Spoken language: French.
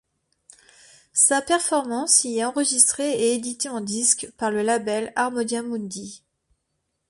Sa performance y est enregistrée et éditée en disque par le label Harmonia Mundi.